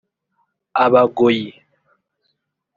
Abagoyi